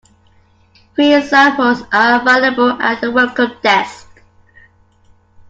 Free samples are available at the Welcome Desk.